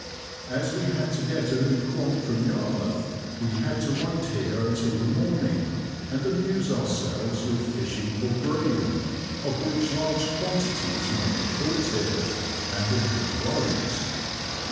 As we had to get a new quant from Yarmouth, we had to wait here until the morning, and amuse ourselves with fishing for bream, of which large quantities may be caught here, and of good weight.